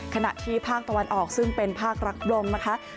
ขณะที่ภาคตะวันออกซึ่งเป็นภาครักลมนะคะ